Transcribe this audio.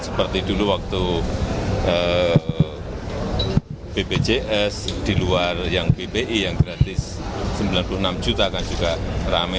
seperti dulu waktu bpjs di luar yang bpi yang gratis sembilan puluh enam juta kan juga rame